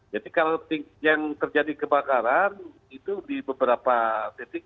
jadi kalau yang terjadi kebakaran itu di beberapa titik